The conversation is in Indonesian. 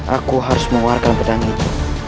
aku harus mengeluarkan pertanyaan itu